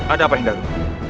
ada apa hendaro